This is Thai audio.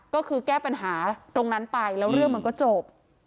ก็คือแก้ปัญหาตรงนั้นไปแล้วเรื่องมันก็จบ